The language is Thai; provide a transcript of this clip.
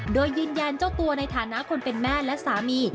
โดยยืนยันเจ้าตัวในฐานะคนเป็นแม่และสามี